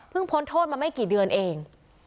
พ้นโทษมาไม่กี่เดือนเอง